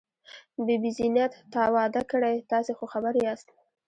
بي بي زينت، تا واده کړی؟ تاسې خو خبر یاست.